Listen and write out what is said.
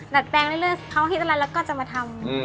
ดัดแปลงเรื่อยเขาฮิตอะไรแล้วก็จะมาทำ